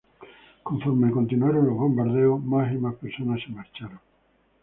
Conforme continuaron los bombardeos, más y más personas se marcharon.